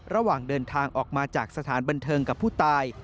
ระหว่างเดินทางออกมาจากสถานบันเทิงกับผู้ตาย